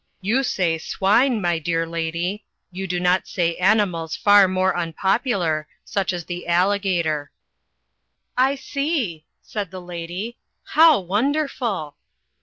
You say 'swine/ my dear lady ; you do not say animals far more unpop ular, such as the alligator." "I see," said the lady, "how wonderful!"